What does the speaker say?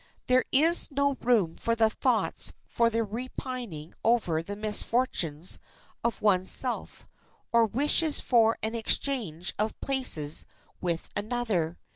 There is no room in the thoughts for repining over the misfortunes of one's self, or wishes for an exchange of places with another.